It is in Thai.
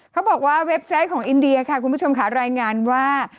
เขาบอกว่าเว็ซไซต์ของอินเดียคุณผู้ชมคะรายงานว่า